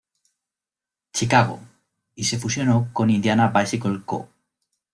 Chicago, y se fusionó con Indiana Bicycle Co.